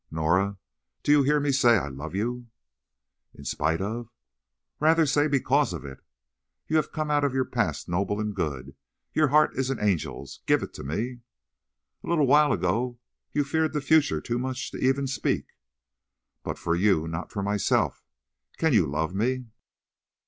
Norah, do you hear me say I love you?" "In spite of—" "Rather say because of it. You have come out of your past noble and good. Your heart is an angel's. Give it to me." "A little while ago you feared the future too much to even speak." "But for you; not for myself. Can you love me?"